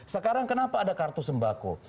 sekarang kenapa ada kartu sembako